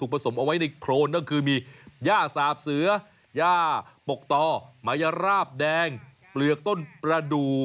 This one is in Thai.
ปลือกต้นประดู